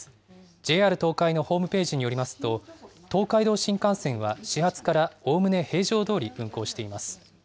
ＪＲ東海のホームページによりますと、東海道新幹線は、始発からおおむね平常どおり運行しています。